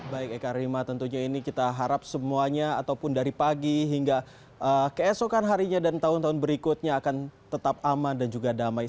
baik eka rima tentunya ini kita harap semuanya ataupun dari pagi hingga keesokan harinya dan tahun tahun berikutnya akan tetap aman dan juga damai